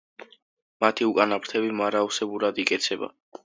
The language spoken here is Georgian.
მათი უკანა ფრთები მარაოსებურად იკეცება.